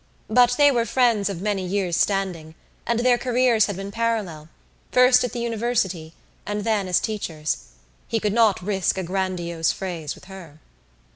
But they were friends of many years' standing and their careers had been parallel, first at the university and then as teachers: he could not risk a grandiose phrase with her.